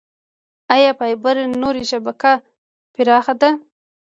آیا فایبر نوري شبکه پراخه ده؟